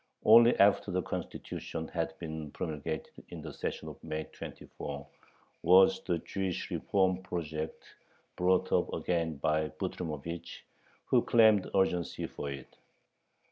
Only after the Constitution had been promulgated in the session of May 24 was the Jewish reform project brought up again by Butrymovich, who claimed urgency for it.